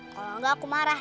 kalau enggak aku marah